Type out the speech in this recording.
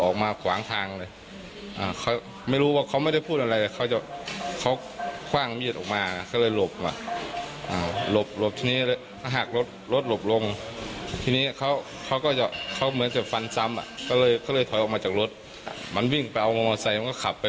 คิดว่าเขาจะป้นรถไง